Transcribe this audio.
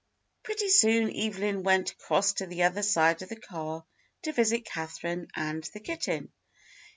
Pretty soon Evelyn went across to the other side of the car to visit Catherine and the kitten.